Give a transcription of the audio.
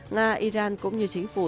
nga iran cũng như chính phủ